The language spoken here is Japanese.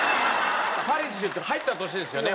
パリッシュって入った年ですよね